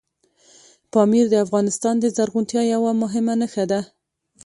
پامیر د افغانستان د زرغونتیا یوه مهمه نښه ده.